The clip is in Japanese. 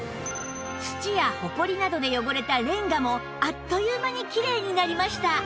土やホコリなどで汚れたレンガもあっという間にきれいになりました